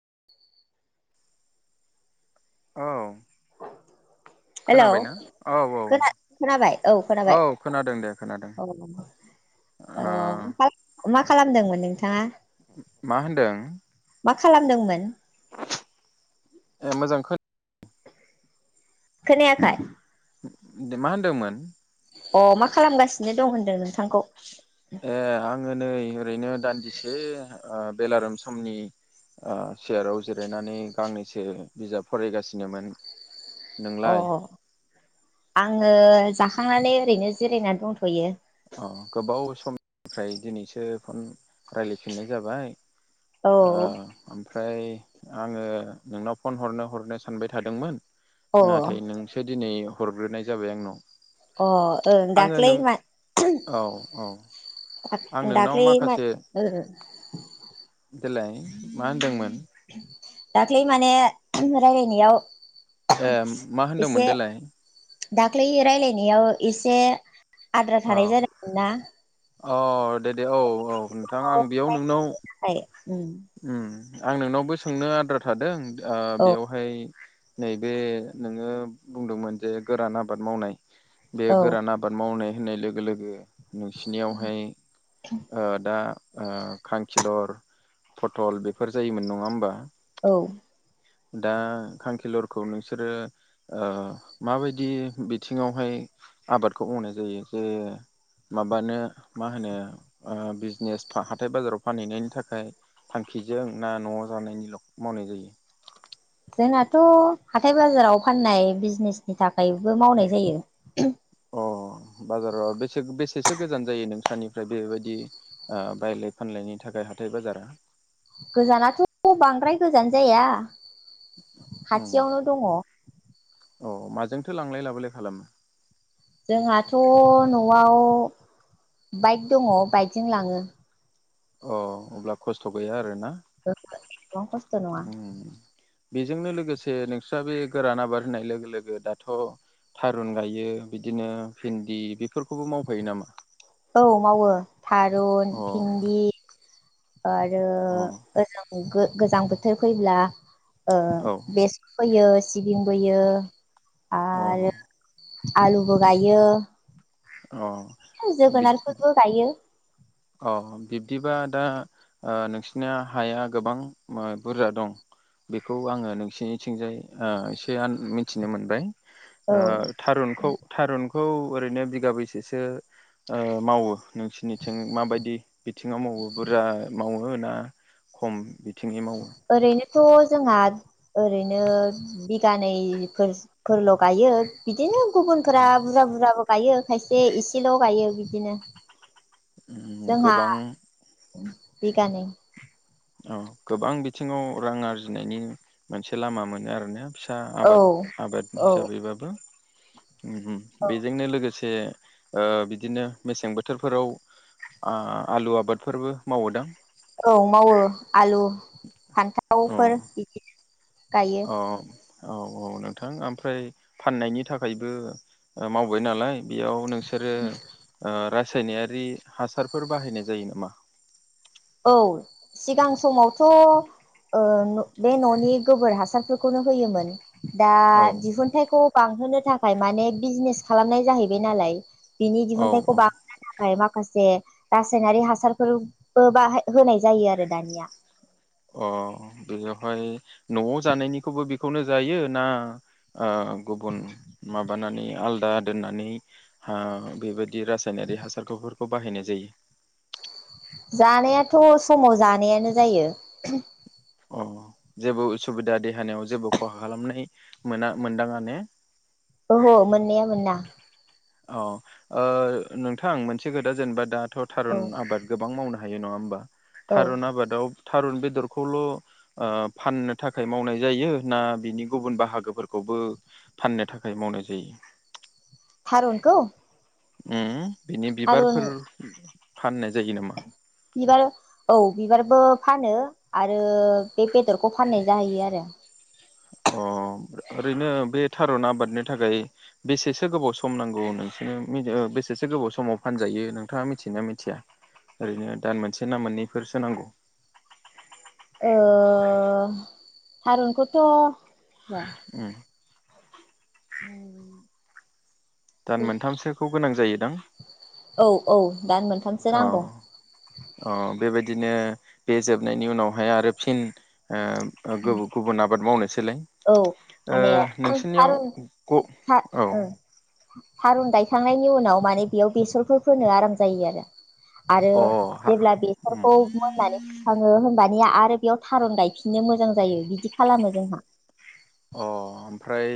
[inaudible] औ हेलौ खोनाबायना औ औ खोना-खोनाबाय औ खोनाबाय औ खोनादों दे खोनादों औ औ ओ ओमफाय मा खालामदोंमोन नों थाङा? मा होनदों? खालामदोंमोन ए मोजां खो खोनायाखै? दे मा होनदोंमोन? अ मा खालामगासिनो दं होनदों नोंथांखौ? ए आङो नै ओरैनो दान्दिसे ओ बेलारोम समनि ओ सेयाराव जिरायनानै गांनैसो बिजाब फरायगासिनोमोन। अ नोंलाय? आङो जाखांनानै ओरैनो जिरायनानै दंथयो। अ गोबाव समनिफ्राय दिनैसो फन रायज्लायफिननाय जाबाय औ ओ ओमफ्राय आङो नोंनाव फन हरनो हरनो सानबाय थादोंमोन अ नाथाय नोंसो दिनै हरग्रोनाय जाबाय आंनाव। अ ओ आङो दाख्लै नों मा औ औ आं [unintelligible] नोंनाव दाख्लै [unintelligible] माखासे देलाय मा होनदोंमोन? दाख्लै माने राय्लायनायाव ए मा होनदोंमोन देलाय दाख्लै राय्लायनायाव एसे आद्रा औ थानाय जादोंमोन ना अ दे दे औ औ नोंथां आं बेयाव नोंनाव उम आं नोंनावबो सोंनो आद्रा थादों ओ औ बेयावहाय नैबे नोङो बुंदोंमोन जे गोरान आबाद मावनाय बे औ गोरान आबाद मावनाय होननाय लोगो लोगो नोंसिनियावहाय आ दा ओ खांखिलर फथल बेफोर जायोमोन नङा होमबा? औ दा खांखिलरखौ नोंसोरो ओ माबायदि बिथिङावहाय आबादखौ मावनाय जायो जे माबानो मा होनो ओ बिजनेस हाथाय बाजाराव फानहैनायनि थाखाय थांखिजों ना नआव जानायनिल मावनाय जायो? आंनाथ हाथाय बाजाराव फाननाय बिजिनेसनि थाखायबो मावनाय जायो। अ बाजाराव बेसे-बेसेसो गोजान जायो नोंस्रानिफ्राय बेबायदि ओ बायलाय फानलायनि थाखाय हाथाय बाजारा? गोजानाथ बांद्राय गोजान जाया। उम खाथियावनो दङ। अ माजोंथो लांलाय लाबोलाय खालामो? जोंहाथ नआव बाइक दङ बाइकजों लाङो। अ अब्ला खस्थ गैया आरोना। औ गोबां खस्थ नङा। उम बेजोंनो लोगोसे नोंस्रा बे गोरान आबाद होननाय लोगो लोगो दाथ थारुन गायो बिदिनो भिन्दि बेफोरखौबो मावफायो नामा औ मावो थारुन अ भिन्दि आरो अ ओ जोगो गोजां बोथोर फैब्ला ओ औ बेस फोयो सिबिंबोयो आरो अ आलुबो गायो अ बिदि जोगोनारफोरबो गायो अ बिब्दिबा दा नोंसिना हाया गोबां बुरजा दं बेखौ आङो नोंसिनिथिंजाय एसे मिथिनो मोनबाय ओ औ थारुनखौ थारुन खौ ओरैनो बिगाबैसेसो मावो नोंसिनि थिं बिथिंआव मावो बुरजा मावो ना खम थिंङै मावो थ जोंहा ओरैनो बिगानै फोर-फोरल गायो बिदिनो अ गुबुनफोरा बुरजा बुरजाबो गायो खायसे इसेल गायो बिदिनो जोंहा गोबां बिगानै औ गोबां बिथिङाव रां आरजिनायनि मोनसे लामा मोनो आरोना फिसा औ आबाद आबाद औ हिसाबैबाबो औ बेजोंनो लोगोसे दे ओ बिदिनो मेसें बोथोरफोराव ओ आलु आबादफोरबो मावोदों औ मावो आलु फान्थावफोर बिदिनो औ औ औ नोंथां ओमफ्राय फाननायनि थाखायबो मावबाय नालाय बेयाव नोंसोरो ओ सायनायारि हासारफोर बाहायनाय जायो नामा औ सिगां समावथ ओ बे ननि गोबोर हासारफोरखौनो होयोमोन दा औ दिहुनथाइखौ बांहोनो थाखाय माने बिजनेस खालामनाय जाहैबाय नालाय बिनि औ दिहुनथाइखौ औ बां [unintelligible] नो थाखाय मा खासे रासायनारि हासारफोर बो बाहा होनाय जायो आरो दानिया अ बेयावहाय नआव जानायनिखौबो बेखौनो जायो ना ओ गुबुन माबानानै आलादा दोननानै हा बेबायद बिदि रासायनारि हासारखौफोर [unintelligible] बाहायनाय जायो जानायाथ समाव जानायानो जायो। अ जेबो उसुबिदा देहानियाव जेबो खहा खालामनाय मोना मोनदाङा ने? ओह मोननाया मोना अ ओ नोंथां मोनसे खोथा जेनेबा दा थ औ थारुन आबाद गोबां मावना हायो नङा होमबा? औ थारुन आबादाव थारुन बेदरखौल' ओ फाननो थाखाय मावनाय जायो ना बिनि गुबुन बाहागोफोरखौबो फाननो थाखाय मावनाय जायो? थारुनखौ? उम बिनि थारुन बिबारफोर फाननाय जायो नामा बिबार औ बिबारबो फानो आरो बे बेदरखौ फाननाय जाहैयो आरो अ ओरैनो बे थारुन आबादनि थाखाय बेसेसो गोबाव सम नांगौ नोंसोर [unintelligible] ओ बेसेसो गोबाव समाव फानजायो नोंथाङा मिथियो मिथिया ओरैनो दान मोनसे ना मोननैफोरसो नांगौ? ओ थारुनखोथ' उम [inaudible] दान मोनथामसोखौ गोनां जायोदां औ औ दान मोनथामसो अ नांगौ अ बेबायदिनो बे जोबनायनि उनावहाय आरो फिन ओ गोबु गुबुन आबाद मावनोसैलाय औ ओ माने नोंसोरनियाव थारुन ग था औ ओ थारुन गायखांनायनि उनाव माने बेयाव बेसरफोर फोनो आराम जायो आरो आरो अ हा जेब्ला उम बेसरखौ मोननानै फुखाङो होमबा निया आरो बेयाव थारुन गायफिननो मोजां जायो बिदि खालामो जोंहा। अ ओमफ्राय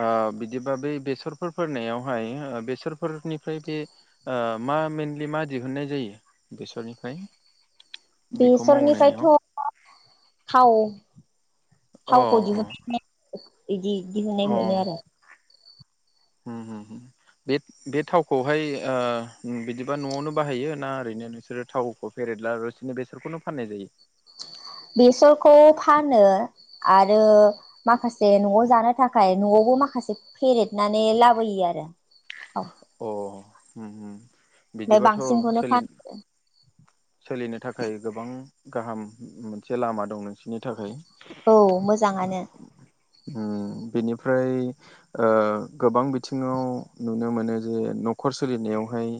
ओ बिदिबा बै बेसरफोर फोनायावहाय बेसरफोरनिफ्राय बे ओ मा मेनलि मा दिहुननाय जायो बेसरनिफ्राय? बेखौ बेसरनिफ्रायथ' मावनायाव थाव अ थावखौ दिहु अ [unintelligible] इदि [unintelligible] अ होननाय मोनो आरो उम उम बे बे थावखौहाय ओ बिदिबा नआवनो बाहायो ना ओरैनो नोंसोरो थावखौ फेरेदला लासिनो बेसरखौनो फाननाय जायो। बेसरखौ फानो आरो माखासे न'आव अ जानो थाखाय न'आव [unintelligible] माखासे फेरेदनानै लाबोयो आरो अ हम हम ओमफ्राय बांसिनखौनो फानोहरो। सोलिनो थाखाय गोबां गाहाम मोनसे लामा दं नोंसोरनि थाखाय औ मोजाङानो ओम बेनिफ्राय ओ‌ गोबां बिथिङाव नुनो मोनो जे न'खर सोलिनायाव हाय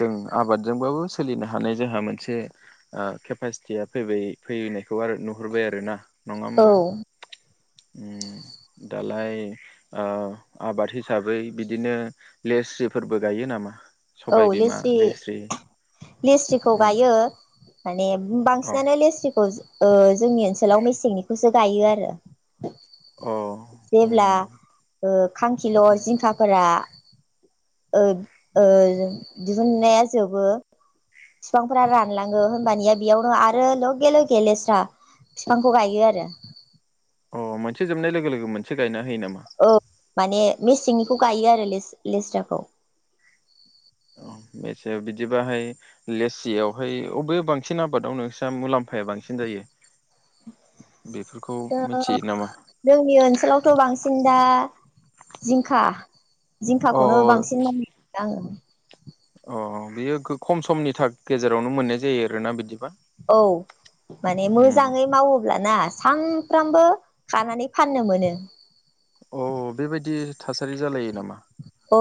जों आबादजोंबाबो सोलिनो हानाय जोंहा मोन मोनसे केपासिटिया फैबाय फैनायखौ आरो नुहरबाय आरो ना नङा औ होमबा? उम दालाय ओ आबाद हिसाबै बिदिनो लेस्रिफोरबो गायो नामा? सबायबिमा लेस्रि लेस्रिखौ उम गायो। माने अ बांसिनानो लेस्रिखौ ओ जोंनि ओनसोलाव मेसेंनिखौसो गायो आरो। अ उम जेब्ला ओ खांखिलर उम जिंखाफोरा ओ ओ दिहुननाया जोबो बिफांफोरा रानलाङो होनबानिया बेयावनो आरो लगे लगे लेस्रा बिफांखौ गायो आरो। अ मोनसे जोबनाय लोगो लोगो मोनसे गायनाय [unintelligible] नामा? माने मेसेंनिखौ गायो आरो ले-लेस्राखौ मसे बिदिबाहाय लेसियावहाय अबे बांसिन आबादाव नोंस्रा मुलाम्फाया बांसिन जायो? बेफोरखौ ओ मिथियो नामा? जोंनि ओनसोलावथ बांसिन दा जिंखा अ जिंखाखौनो बांसिन [unintelligible] नाय आङो अ बियो खो खम समनि गेजेरावनो मोननाय जायो आरोना बिदिबा औ माने उम मोजाङै मावोब्लाना सानफ्रामबो खानानै फाननो मोनो। अ बेबायदि थासारि जालायो नामा? औ।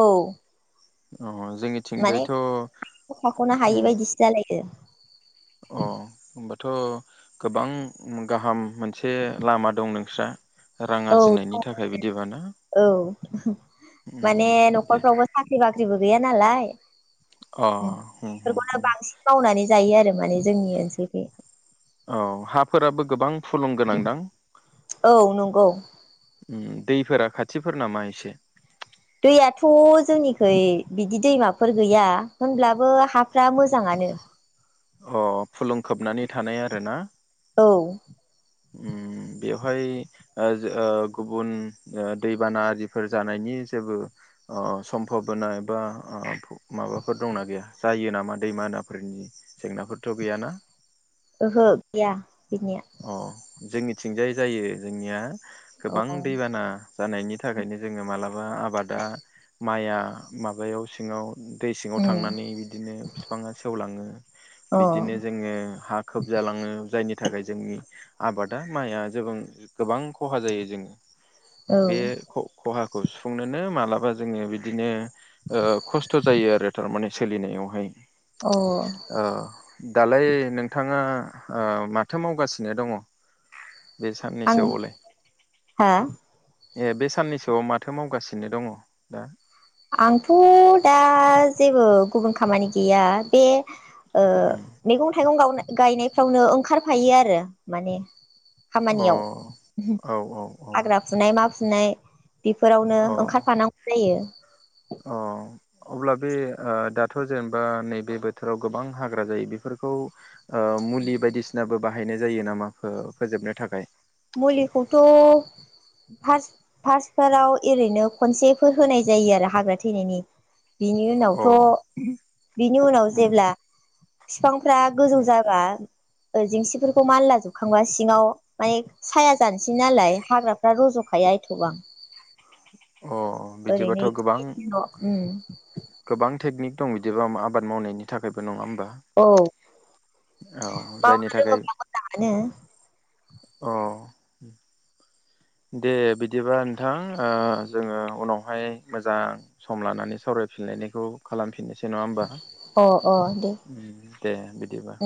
अ माने जोंनिथिंजायथ' उम खाखनो हायि बायदिसो जालायो। अ ओमबा थ गोबां गाहाम। मोनसे लामा दं नोंस्रा। रां औ आरजिनायनि दं थाखाय बिदिबाना [inaudible] औ उम माने दे नखरफ्रावबो साख्रि बाख्रिबो गैयैजाया नालाय। अ होम होम होम बेफोरखौनो बांसिन मावनानै जायो आरो। माने जोंनि ओनसोलखि। औ हाफोराबो गोबां फुलुं गोनांदां औ नंगौ। उम दैफोरा खाथिफोर नामा एसे? दैयाथ जोंनिखै बिदि दैमाफोर गैया होनब्लाबो हाफ्रा मोजाङानो। अ। फुलुं खोबनानै थानाय आरोना। औ उम बेवहाय ओ ओ गुबुन ओ दैबाना आरिफोर जानायनि जेबो ओ सम्भाबना एबा ओ माबाफोर दंना गैया जायो नामा दैमानाफोरनि जेंनाफोरथ गैयाना? ओहो गैया। बिनिया अ। जोंनिथिंजाय जायो जोंनिया गोबां उम दैबाना जानायनि थाखायनो जोङो मालाबा आबादा माइआ माबायाव सिङाव दै सिङाव थांनानै बिदिनो बिफाङा सेवलाङो अ बिदिनो जोङो हा खोबजालाङो जायनि थाखाय आबादा माया जोबां गोबां खहा जायो जों बे ख-खहा खौ सुफुंनोनो मालाबा जोङो बिदिनो ओ खस्थ जायो आरो थारमाने। सोलिनायावहाय औ अ अ दालाय नोंथाङा ओ मा थो मावगासिनो दङ बे आं साननैसोआवलाय हा ए बे साननैसोआव माथो मावगासिनो दङ दा? आंथ' दा जेबो गुबुन खामानि गैया बे ओ उम मैगं थाइगं गावनाय गायनायफ्रावनो ओंखारफायो आरो माने। अ खामानियाव औ औ औ हाग्रा फुनाय मा फु नाय बेफोरावनो ओंखारफानांगौ जायो। औ अब्ला बे ओ दाथ जेनेबा नैबे बोथोराव गोबां हाग्रा जायो बेफोरखौ ओ मुलि बायदिसिनाबो बाहायनाय जायो नामाखौ फोजोबनो थाखाय? मुलिखौथ फास फार्स्टफोराव ओरैनो खनसेफोर होनाय जायो आरो हाग्रा थैनायनि बिनि उनावथ अ बिनि उनाव उम जेब्ला बिफांफ्रा गोजौ उम जाबा ओ जेंसिफोरखौ मालला जोबखांब्ला सिङाव माएख साया जानोसै नालाय हाग्राफ्रा रजखाया एथबां। अ ओरैनो बिदिबाथ' गोबां एसेल ओम। गोबां टेकनिक दं बिदिबा आबाद मावनायनि थाखायबो नङा होम औ जायनि मावनो थाखाय रोङोब्ला मोजाङानो अ दे बिदिबा थां जोङो उनाव हाय मोजां सम लानानै सावरायफिनलायनायखौ खालामफिननोसै [unintelligible] नङा होमबा अ अ दे दे बिदिबा उम